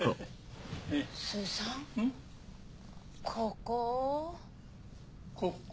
ここ。